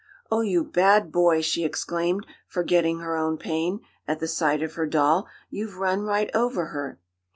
"Oh, you bad boy!" she exclaimed, forgetting her own pain, at the sight of her doll, "you've run right over her!"